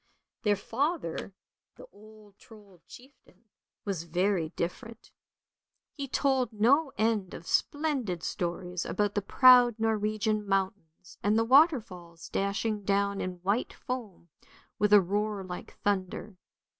Their father, the old Trold chieftain, was very different; he told no end of splendid stories about the proud Norwegian mountains, and the waterfalls dashing down in white foam with a roar like thunder.